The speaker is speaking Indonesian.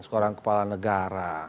seorang kepala negara